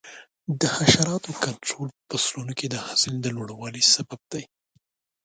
د حشراتو کنټرول په فصلونو کې د حاصل د لوړوالي سبب دی.